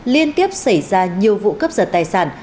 liên tiếp xảy ra nhiều vụ cấp giật tài sản